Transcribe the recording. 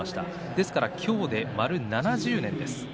ですから今日で丸７０年です。